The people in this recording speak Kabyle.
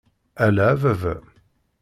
Ala a baba!